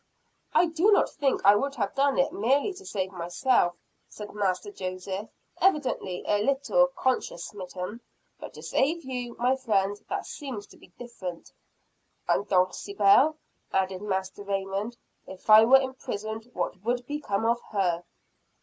"I do not think I would have done it merely to save myself," said Master Joseph, evidently a little conscience smitten. "But to save you, my friend, that seems to be different." "And Dulcibel," added Master Raymond. "If I were imprisoned what would become of her?"